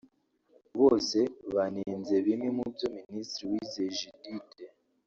bose banenze bimwe mu byo Minisitiri Uwizeye Judith